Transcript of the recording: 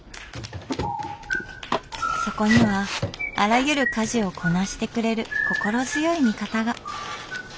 そこにはあらゆる家事をこなしてくれる心強い味方が。